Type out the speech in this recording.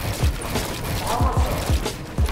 Tettɛawazeḍ?